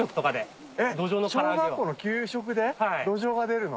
小学校の給食でどじょうが出るの？